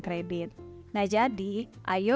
kredit nah jadi ayo